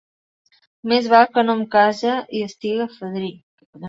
Més val que no em case i estiga fadrí.